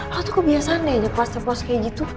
lo tuh kebiasaan deh aja post post kayak gitu